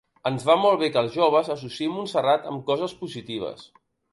Ens va molt bé que els joves associïn Montserrat amb coses positives.